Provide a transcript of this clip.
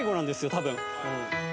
多分。